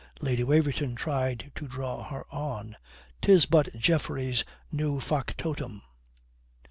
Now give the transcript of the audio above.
Lady Waverton tried to draw her on. "'Tis but Geoffrey's new factotum."